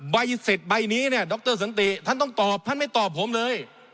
ใบเสร็จใบนี้เนี่ยดรสันติท่านต้องตอบท่านไม่ตอบผมเลย